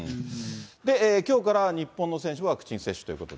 きょうから日本の選手もワクチン接種ということで。